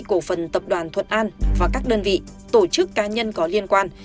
cổ phần tập đoàn thuận an và các đơn vị tổ chức cá nhân có liên quan